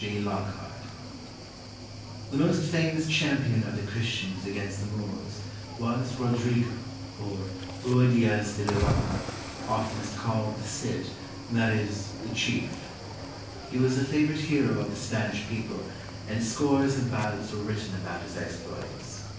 G. LOCKHART [The most famous champion of the Christians against the Moors was Rodrigo or Ruy Diaz de Bivar, oftenest called the Cid, that is, the Chief. He was the favorite hero of the Spanish people, and scores of ballads were written about his exploits.